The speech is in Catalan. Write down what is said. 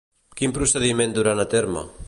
Quin procediment duran a terme?